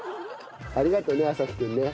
ありがとうね朝輝君ね。